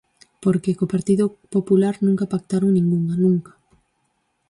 Porque co Partido Popular nunca pactaron ningunha, nunca.